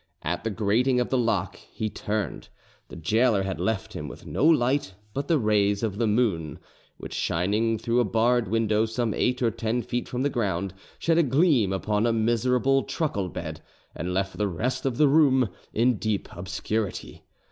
At the grating of the lock he turned. The gaoler had left him with no light but the rays of the moon, which, shining through a barred window some eight or ten feet from the ground, shed a gleam upon a miserable truckle bed and left the rest of the room in deep obscurity.